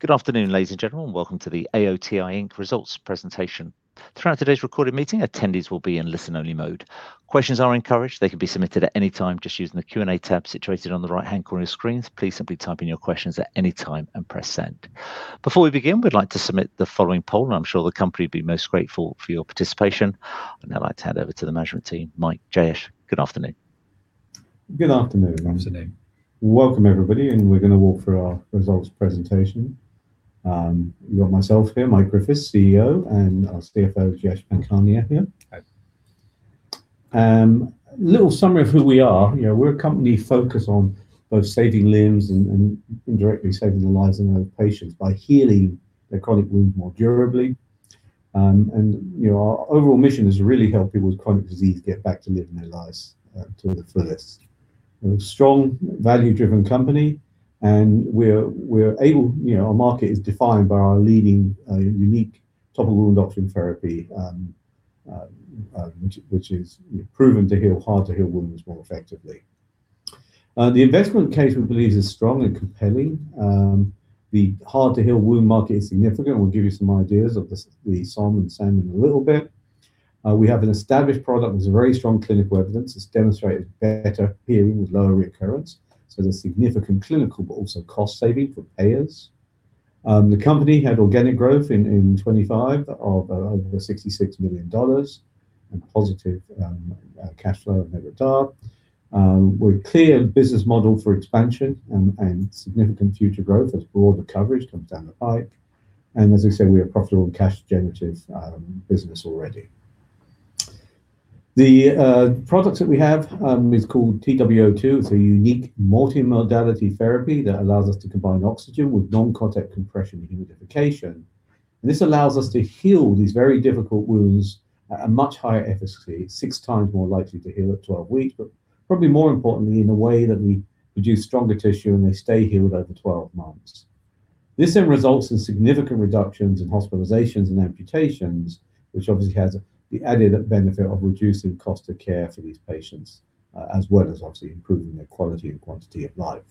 Good afternoon, ladies and gentlemen. Welcome to the AOTI Inc. results presentation. Throughout today's recorded meeting, attendees will be in listen-only mode. Questions are encouraged. They can be submitted at any time just using the Q&A tab situated on the right-hand corner of screens. Please simply type in your questions at any time and press send. Before we begin, we'd like to submit the following poll, and I'm sure the company will be most grateful for your participation. I'd now like to hand over to the management team. Mike, Jayesh, good afternoon. Good afternoon. Good afternoon. Welcome everybody, and we're gonna walk through our results presentation. You've got myself here, Mike Griffiths, CEO, and our CFO, Jayesh Pankhania here. Hi. A little summary of who we are. You know, we're a company focused on both saving limbs and indirectly saving the lives of patients by healing their chronic wounds more durably. You know, our overall mission is to really help people with chronic disease get back to living their lives to the fullest. We're a strong value-driven company. You know, our market is defined by our leading, unique topical wound oxygen therapy, which is proven to heal hard to heal wounds more effectively. The investment case we believe is strong and compelling. The hard to heal wound market is significant. We'll give you some ideas of this, the sum and substance in a little bit. We have an established product with very strong clinical evidence. It's demonstrated better healing with lower recurrence, so there's significant clinical, but also cost saving for payers. The company had organic growth in FY 2025 of over $66 million and positive cash flow and EBITDA. We're a clear business model for expansion and significant future growth as broader coverage comes down the pipe. As I said, we are profitable and cash generative business already. The product that we have is called TWO. It's a unique multi-modality therapy that allows us to combine oxygen with non-contact compression and humidification. This allows us to heal these very difficult wounds at a much higher efficacy. It's 6x more likely to heal at 12 weeks, but probably more importantly, in a way that we produce stronger tissue and they stay healed over 12 months. This results in significant reductions in hospitalizations and amputations, which obviously has the added benefit of reducing cost of care for these patients, as well as obviously improving their quality and quantity of life.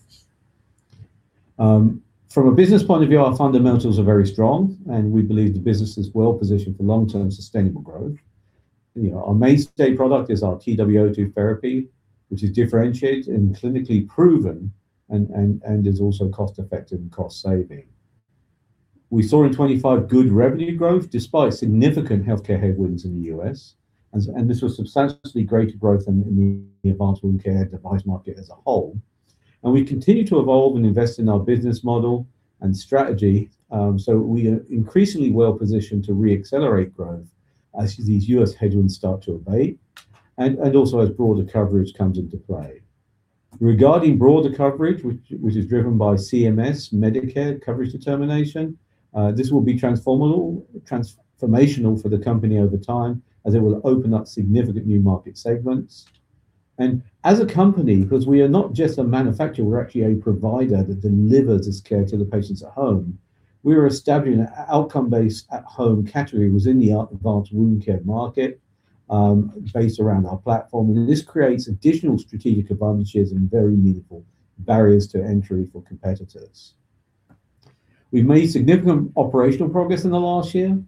From a business point of view, our fundamentals are very strong, and we believe the business is well positioned for long-term sustainable growth. You know, our mainstay product is our TWO therapy, which is differentiated and clinically proven and is also cost-effective and cost-saving. We saw in 2025 good revenue growth despite significant healthcare headwinds in the U.S., and this was substantially greater growth than in the advanced wound care device market as a whole. We continue to evolve and invest in our business model and strategy, so we are increasingly well positioned to re-accelerate growth as these U.S. headwinds start to abate and also as broader coverage comes into play. Regarding broader coverage, which is driven by CMS Medicare coverage determination, this will be transformational for the company over time as it will open up significant new market segments. As a company, 'cause we are not just a manufacturer, we're actually a provider that delivers this care to the patients at home, we are establishing an outcome-based at-home category within the advanced wound care market, based around our platform. This creates additional strategic advantages and very meaningful barriers to entry for competitors. We've made significant operational progress in the last year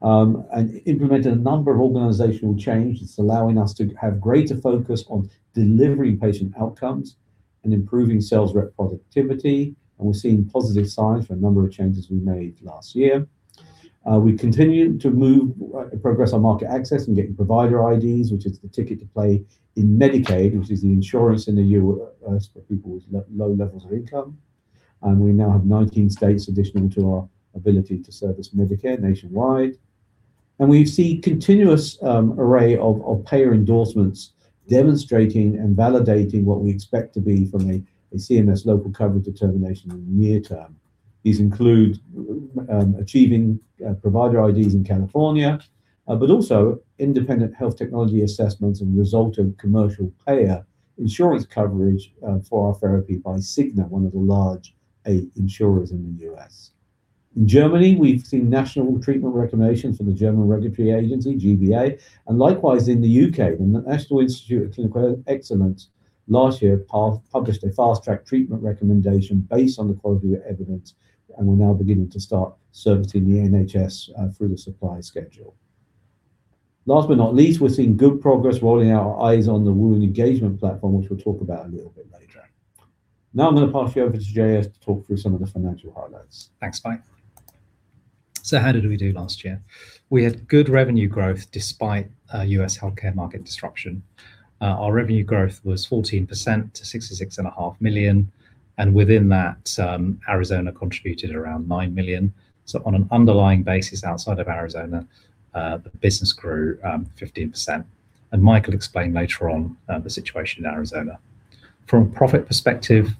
and implemented a number of organizational change that's allowing us to have greater focus on delivering patient outcomes and improving sales rep productivity. We're seeing positive signs for a number of changes we made last year. We continue to make progress on market access and getting provider IDs, which is the ticket to play in Medicaid, which is the insurance in the U.S. for people with low levels of income. We now have 19 states additional to our ability to service Medicare nationwide. We see continuous array of payer endorsements demonstrating and validating what we expect to be from a CMS local coverage determination in the near term. These include achieving provider IDs in California, but also independent health technology assessments and resultant commercial payer insurance coverage for our therapy by Cigna, one of the large eight insurers in the U.S. In Germany, we've seen national treatment recommendations from the German Regulatory Agency, G-BA. Likewise in the U.K., when the National Institute for Health and Care Excellence last year published a fast-track treatment recommendation based on the quality of evidence, and we're now beginning to start servicing the NHS through the supply schedule. Last but not least, we're seeing good progress rolling out our Eyes on the Wound engagement platform, which we'll talk about a little bit later. Now I'm gonna pass you over to Jayesh to talk through some of the financial highlights. Thanks, Mike. How did we do last year? We had good revenue growth despite U.S. healthcare market disruption. Our revenue growth was 14% to $66.5 million, and within that, Arizona contributed around $9 million. On an underlying basis outside of Arizona, the business grew 15%. Mike will explain later on the situation in Arizona. From a profit perspective,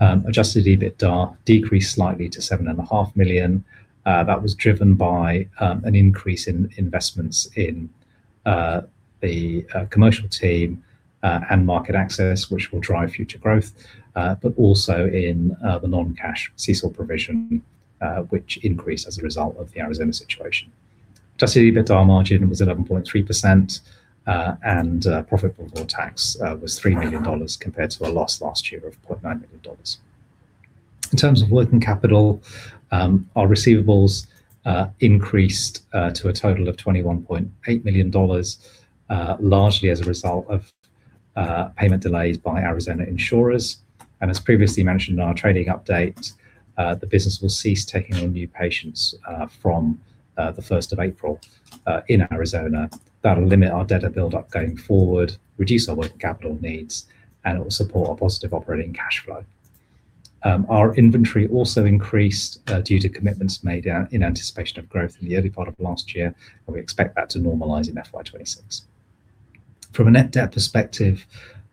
adjusted EBITDA decreased slightly to $7.5 million. That was driven by an increase in investments in the commercial team and market access, which will drive future growth, but also in the non-cash CECL provision, which increased as a result of the Arizona situation. Adjusted EBITDA margin was 11.3%, and profit before tax was $3 million compared to a loss last year of $0.9 million. In terms of working capital, our receivables increased to a total of $21.8 million, largely as a result of payment delays by Arizona insurers. As previously mentioned in our trading update, the business will cease taking on new patients from the first of April in Arizona. That'll limit our debtor buildup going forward, reduce our working capital needs, and it will support our positive operating cash flow. Our inventory also increased due to commitments made in anticipation of growth in the early part of last year, and we expect that to normalize in FY 2026. From a net debt perspective,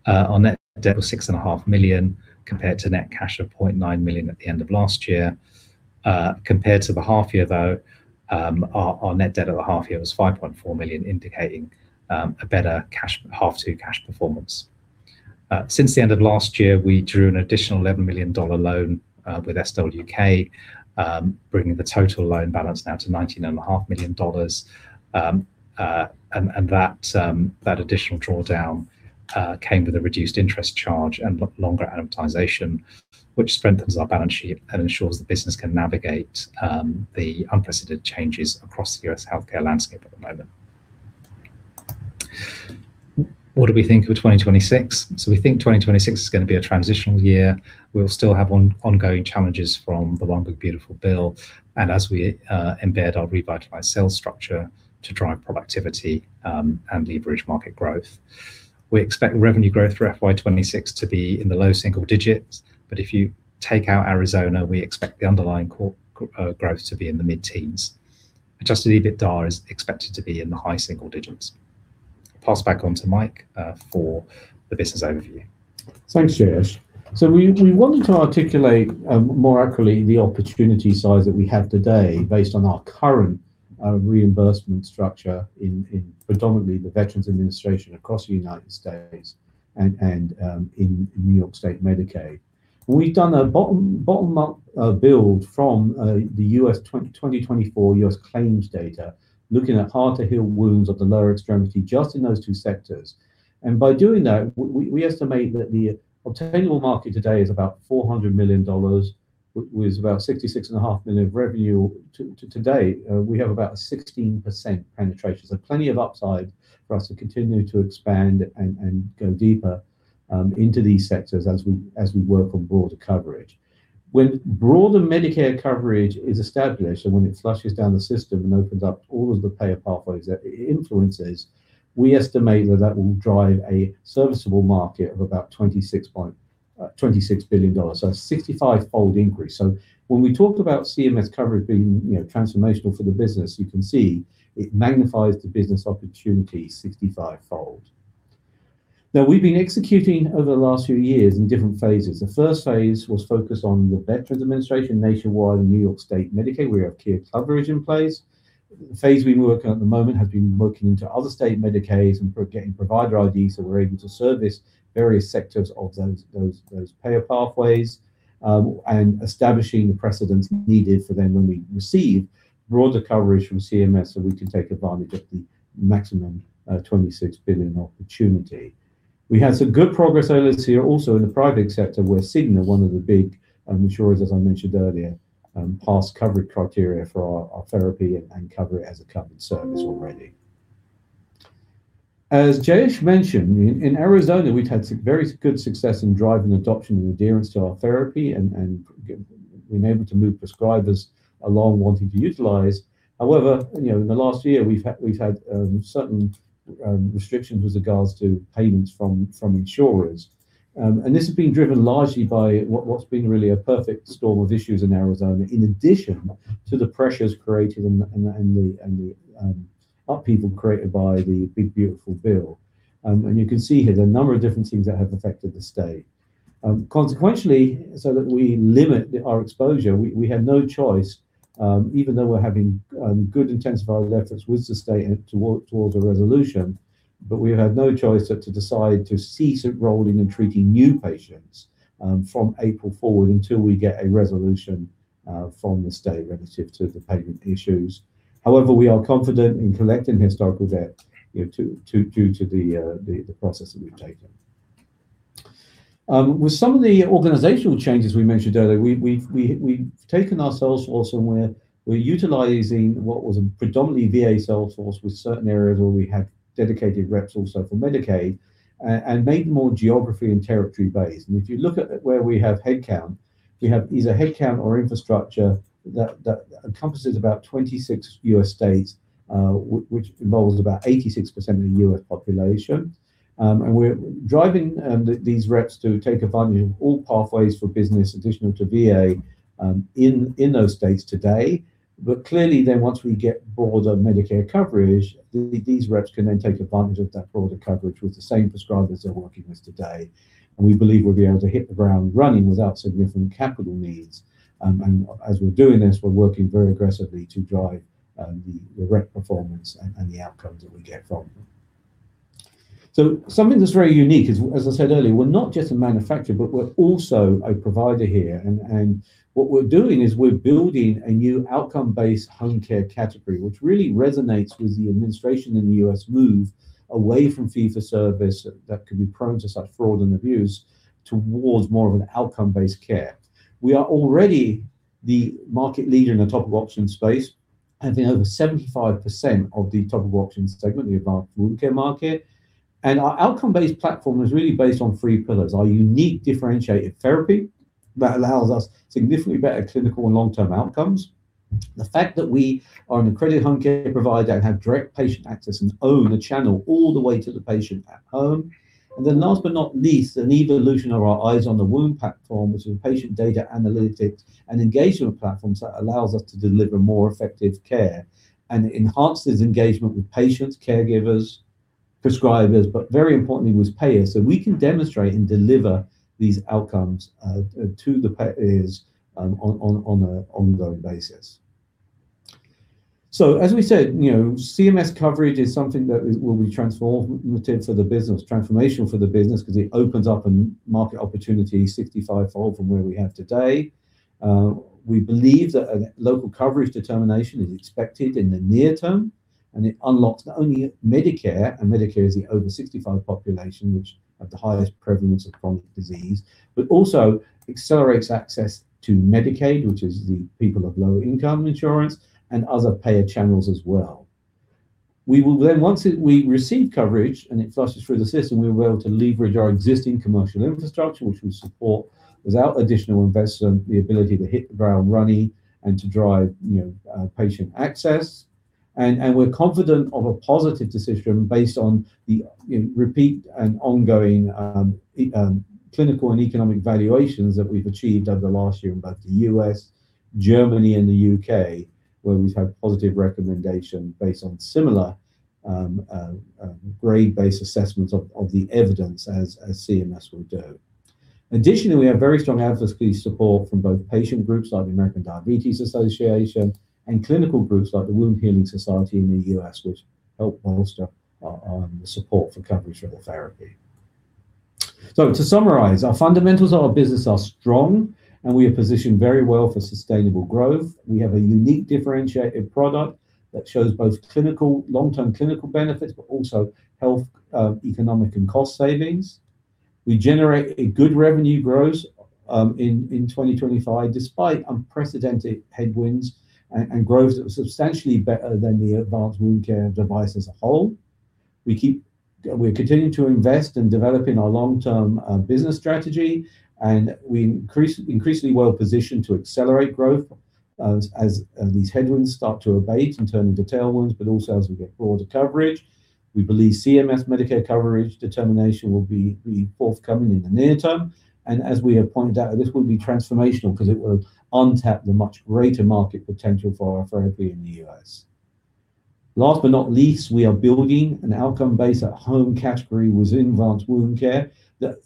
our net debt was $6.5 million compared to net cash of $0.9 million at the end of last year. Compared to the half year though, our net debt at the half year was $5.4 million, indicating a better H2 cash performance. Since the end of last year, we drew an additional $11 million dollar loan with SWK, bringing the total loan balance now to $19.5 million. That additional drawdown came with a reduced interest charge and longer amortization, which strengthens our balance sheet and ensures the business can navigate the unprecedented changes across the U.S. healthcare landscape at the moment. What do we think of 2026? We think 2026 is gonna be a transitional year. We'll still have ongoing challenges from the One Big, Beautiful Bill, and as we embed our revitalized sales structure to drive productivity and leverage market growth. We expect revenue growth for FY 2026 to be in the low single digits%, but if you take out Arizona, we expect the underlying core growth to be in the mid-teens%. Adjusted EBITDA is expected to be in the high single digits. Pass back to Mike for the business overview. Thanks, Jayesh. We wanted to articulate more accurately the opportunity size that we have today based on our current reimbursement structure in predominantly the Veterans Administration across the United States and in New York State Medicaid. We've done a bottom-up build from the 2024 U.S. claims data looking at hard to heal wounds of the lower extremity just in those two sectors. By doing that, we estimate that the obtainable market today is about $400 million with about $66.5 million of revenue to date. We have about 16% penetration, so plenty of upside for us to continue to expand and go deeper into these sectors as we work on broader coverage. When broader Medicare coverage is established and when it trickles down the system and opens up all of the payer pathways that it influences, we estimate that will drive a serviceable market of about $26 billion. A 65-fold increase. When we talked about CMS coverage being, you know, transformational for the business, you can see it magnifies the business opportunity 65-fold. Now we've been executing over the last few years in different phases. The first phase was focused on the Veterans Administration nationwide and New York State Medicaid. We have clear coverage in place. The phase we've been working on at the moment has been working into other state Medicaids and procuring provider IDs, so we're able to service various sectors of those payer pathways, and establishing the precedents needed for then when we receive broader coverage from CMS, so we can take advantage of the maximum $26 billion opportunity. We had some good progress earlier this year also in the private sector. We're seeing that one of the big insurers, as I mentioned earlier, pass coverage criteria for our therapy and cover it as a covered service already. As Jayesh mentioned, in Arizona, we've had some very good success in driving adoption and adherence to our therapy and being able to move prescribers along wanting to utilize. However, you know, in the last year we've had certain restrictions with regards to payments from insurers. This has been driven largely by what's been really a perfect storm of issues in Arizona in addition to the pressures created and the upheaval created by the Big Beautiful Bill. You can see here the number of different things that have affected the state. Consequentially, so that we limit our exposure, we had no choice, even though we're having good, intense, viable efforts with the state to work towards a resolution. We've had no choice but to decide to cease enrolling and treating new patients from April forward until we get a resolution from the state relative to the payment issues. However, we are confident in collecting historical debt, you know, due to the process that we've taken. With some of the organizational changes we mentioned earlier, we've taken ourselves also where we're utilizing what was a predominantly VA sales force with certain areas where we had dedicated reps also for Medicaid and made more geography and territory based. If you look at where we have headcount, we have either headcount or infrastructure that encompasses about 26 U.S. states, which involves about 86% of the U.S. population. We're driving these reps to take advantage of all pathways for business additional to VA in those states today. Clearly then once we get broader Medicare coverage, these reps can then take advantage of that broader coverage with the same prescribers they're working with today. We believe we'll be able to hit the ground running without significant capital needs. As we're doing this, we're working very aggressively to drive the rep performance and the outcomes that we get from them. Something that's very unique is, as I said earlier, we're not just a manufacturer, but we're also a provider here. What we're doing is we're building a new outcome-based home care category, which really resonates with the administration in the U.S. move away from fee for service that can be prone to such fraud and abuse towards more of an outcome-based care. We are already the market leader in the topical oxygen space, I think over 75% of the topical oxygen segment, the advanced wound care market. Our outcome-based platform is really based on three pillars. Our unique differentiated therapy that allows us significantly better clinical and long-term outcomes. The fact that we are an accredited home care provider and have direct patient access and own the channel all the way to the patient at home. Last but not least, the evolution of our Eyes on the Wound platform, which is patient data analytics and engagement platforms that allows us to deliver more effective care and enhances engagement with patients, caregivers, prescribers, but very importantly, with payers. We can demonstrate and deliver these outcomes to the payers on an ongoing basis. As we said, you know, CMS coverage is something that will be transformational for the business 'cause it opens up a market opportunity 65-fold from where we have today. We believe that a local coverage determination is expected in the near term, and it unlocks not only Medicare, and Medicare is the over 65 population which have the highest prevalence of chronic disease, but also accelerates access to Medicaid, which is the people of low income insurance and other payer channels as well. Once we receive coverage and it flashes through the system, we'll be able to leverage our existing commercial infrastructure, which we support without additional investment, the ability to hit the ground running and to drive, you know, patient access. We're confident of a positive decision based on the repeat and ongoing clinical and economic valuations that we've achieved over the last year in both the U.S., Germany and the U.K., where we've had positive recommendation based on similar grade-based assessments of the evidence as CMS will do. Additionally, we have very strong advocacy support from both patient groups like the American Diabetes Association and clinical groups like the Wound Healing Society in the U.S., which help bolster our support for coverage for the therapy. To summarize, our fundamentals of our business are strong, and we are positioned very well for sustainable growth. We have a unique differentiated product that shows both clinical long-term clinical benefits, but also health economic and cost savings. We generate a good revenue growth in 2025, despite unprecedented headwinds and growth that was substantially better than the advanced wound care device as a whole. We're continuing to invest in developing our long-term business strategy, and we increasingly well positioned to accelerate growth as these headwinds start to abate and turn into tailwinds. Also as we get broader coverage, we believe CMS Medicare coverage determination will be forthcoming in the near term. As we have pointed out, this will be transformational 'cause it will tap the much greater market potential for our therapy in the U.S. Last but not least, we are building an outcome-based at home category within advanced wound care that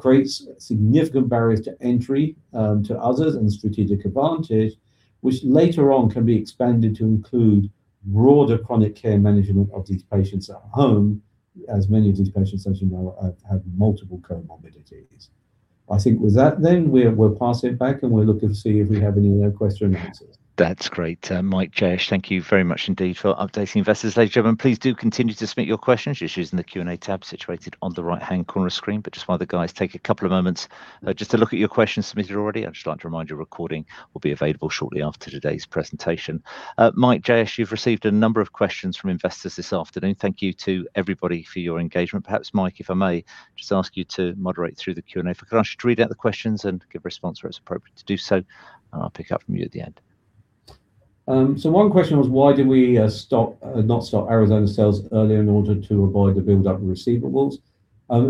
creates significant barriers to entry to others and strategic advantage, which later on can be expanded to include broader chronic care management of these patients at home. As many of these patients, as you know, have multiple comorbidities. I think with that we'll pass it back, and we're looking to see if we have any questions and answers. That's great. Mike, Jayesh, thank you very much indeed for updating investors. Ladies and gentlemen, please do continue to submit your questions just using the Q&A tab situated on the right-hand corner screen. Just while the guys take a couple of moments, just to look at your questions submitted already, I'd just like to remind you a recording will be available shortly after today's presentation. Mike, Jayesh, you've received a number of questions from investors this afternoon. Thank you to everybody for your engagement. Perhaps, Mike, if I may just ask you to moderate through the Q&A. If you can, I ask you to read out the questions and give a response where it's appropriate to do so, and I'll pick up from you at the end. One question was why did we not start Arizona sales earlier in order to avoid the build-up in receivables?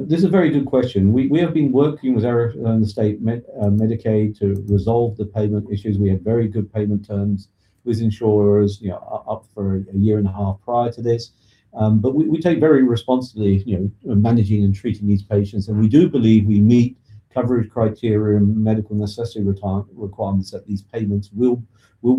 This is a very good question. We have been working with Arizona State Medicaid to resolve the payment issues. We had very good payment terms with insurers, you know, up for a year and a half prior to this. We take very responsibly, you know, managing and treating these patients, and we do believe we meet coverage criteria and medical necessity requirements that these payments will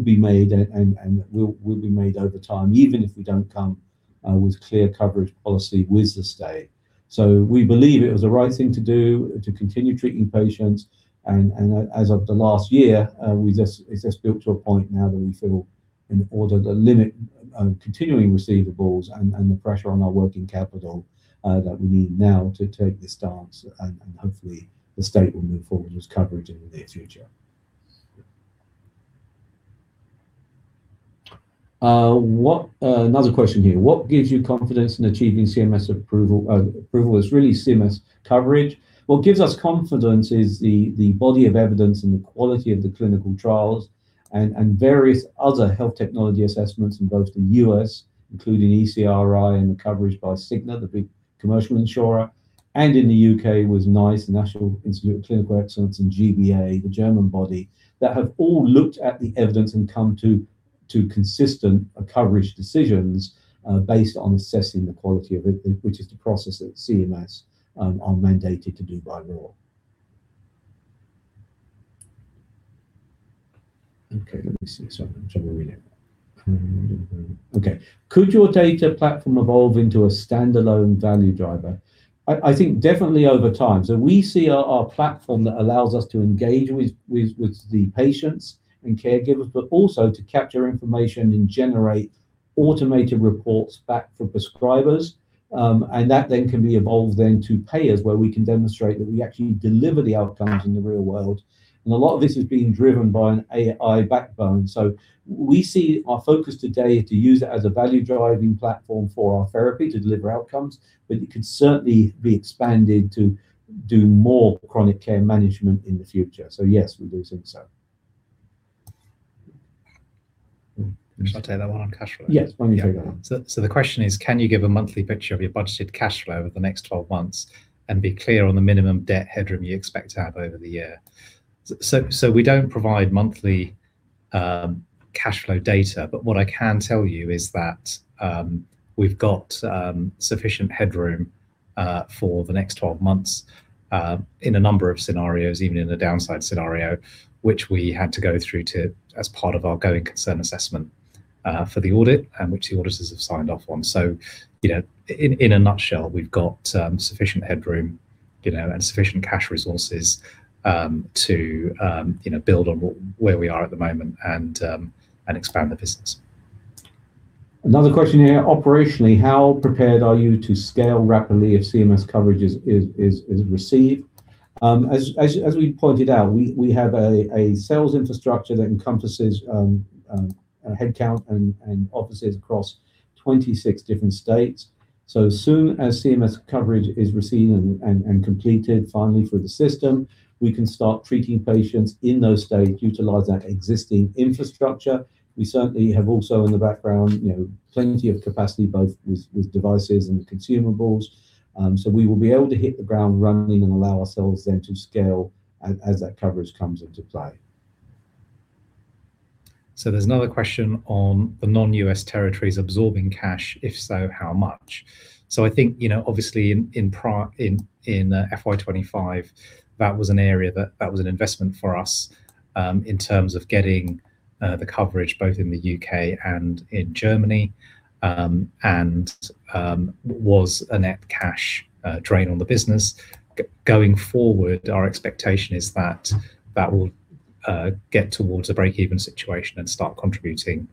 be made and will be made over time, even if we don't come with clear coverage policy with the state. We believe it was the right thing to do to continue treating patients. As of the last year, it's just built to a point now that we feel in order to limit continuing receivables and the pressure on our working capital, that we need now to take this stance and hopefully the state will move forward with coverage in the near future. Another question here. What gives you confidence in achieving CMS approval? Approval is really CMS coverage. What gives us confidence is the body of evidence and the quality of the clinical trials and various other health technology assessments in both the U.S., including ECRI and the coverage by Cigna, the big commercial insurer, and in the U.K. with NICE, the National Institute for Health and Care Excellence, and G-BA, the German body, that have all looked at the evidence and come to consistent coverage decisions based on assessing the quality of it, which is the process that CMS are mandated to do by law. Okay, let me see. Shall we read it? Okay. Could your data platform evolve into a standalone value driver? I think definitely over time. We see our platform that allows us to engage with the patients and caregivers, but also to capture information and generate automated reports back for prescribers. That can be evolved to payers, where we can demonstrate that we actually deliver the outcomes in the real world. A lot of this is being driven by an AI backbone. We see our focus today to use it as a value-driving platform for our therapy to deliver outcomes. It could certainly be expanded to do more chronic care management in the future. Yes, we do think so. Shall I take that one on cash flow? Yes, why don't you take that one. The question is, can you give a monthly picture of your budgeted cash flow over the next 12 months and be clear on the minimum debt headroom you expect to have over the year? We don't provide monthly cash flow data, but what I can tell you is that we've got sufficient headroom for the next 12 months in a number of scenarios, even in a downside scenario, which we had to go through as part of our going concern assessment for the audit and which the auditors have signed off on. You know, in a nutshell, we've got sufficient headroom, you know, and sufficient cash resources to build on where we are at the moment and expand the business. Another question here. Operationally, how prepared are you to scale rapidly if CMS coverage is received? As we pointed out, we have a sales infrastructure that encompasses headcount and offices across 26 different states. As soon as CMS coverage is received and completed finally through the system, we can start treating patients in those states, utilize that existing infrastructure. We certainly have also in the background, you know, plenty of capacity both with devices and consumables. We will be able to hit the ground running and allow ourselves then to scale as that coverage comes into play. There's another question on the non-U.S. territories absorbing cash. If so, how much? I think, you know, obviously in FY 2025, that was an area that was an investment for us in terms of getting the coverage both in the U.K. and in Germany, and was a net cash drain on the business. Going forward, our expectation is that that will get towards a break-even situation and start contributing,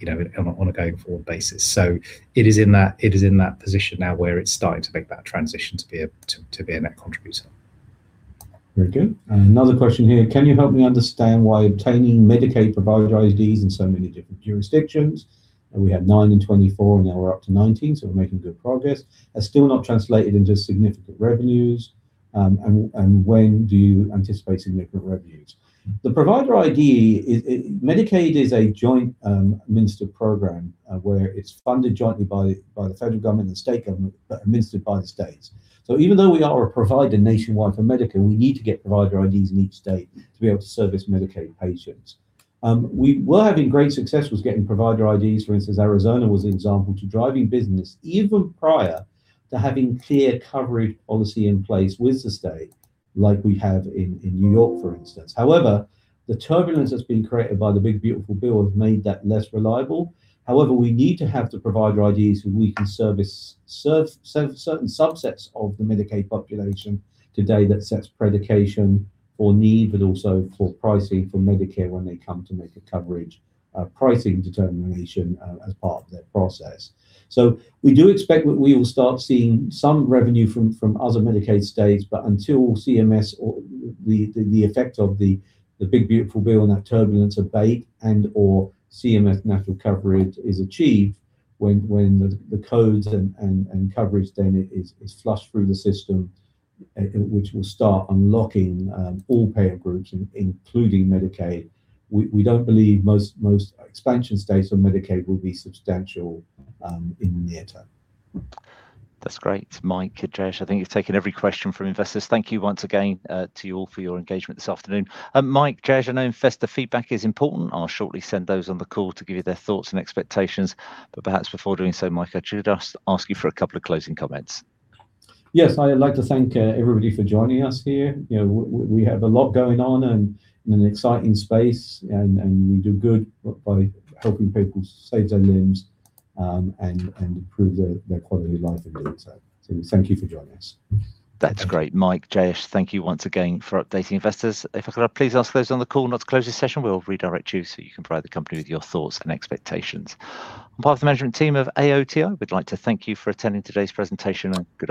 you know, on a going-forward basis. It is in that position now where it's starting to make that transition to be a net contributor. Very good. Another question here. Can you help me understand why obtaining Medicaid provider IDs in so many different jurisdictions, and we had nine in 2024 and now we're up to 19, so we're making good progress, are still not translated into significant revenues, and when do you anticipate significant revenues? The provider ID. Medicaid is a joint administered program, where it's funded jointly by the federal government and state government, but administered by the states. Even though we are a provider nationwide for Medicaid, we need to get provider IDs in each state to be able to service Medicaid patients. We were having great success with getting provider IDs. For instance, Arizona was an example to driving business even prior to having clear coverage policy in place with the state like we have in New York, for instance. However, the turbulence that's been created by the Big Beautiful Bill have made that less reliable. However, we need to have the provider IDs so we can service certain subsets of the Medicaid population today that sets precedent for need, but also for pricing for Medicare when they come to make a coverage pricing determination as part of their process. We do expect that we will start seeing some revenue from other Medicaid states. Until the effect of the Big Beautiful Bill and that turbulence abate and/or CMS national coverage is achieved, when the codes and coverage then is flushed through the system, which will start unlocking all payer groups including Medicaid. We don't believe most expansion states on Medicaid will be substantial in the near term. That's great. Mike, Jayesh, I think you've taken every question from investors. Thank you once again to you all for your engagement this afternoon. Mike, Jayesh, I know investor feedback is important. I'll shortly send those on the call to give you their thoughts and expectations. Perhaps before doing so, Mike, I should just ask you for a couple of closing comments. Yes. I'd like to thank everybody for joining us here. You know, we have a lot going on and in an exciting space, and we do good by helping people save their limbs, and improve their quality of life in the inside. Thank you for joining us. That's great. Mike, Jayesh, thank you once again for updating investors. If I could please ask those on the call not to close this session. We'll redirect you, so you can provide the company with your thoughts and expectations. On behalf of the management team of AOTI, we'd like to thank you for attending today's presentation, and good afternoon.